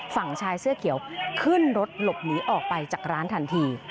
ฝั่งชายเสื้อเขียวขึ้นรถหลบหนีออกไปจากร้านทันที